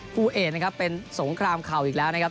คู่เอกนะครับเป็นสงครามเข่าอีกแล้วนะครับ